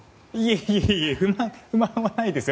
いえいえ不満はないですよ。